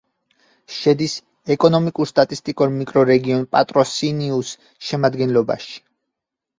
შედის ეკონომიკურ-სტატისტიკურ მიკრორეგიონ პატროსინიუს შემადგენლობაში.